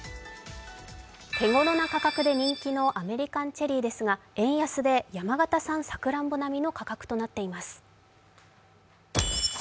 手頃な価格で人気のアメリカンチェリーですが円安で山形産さくらんぼ並みの価格となっています。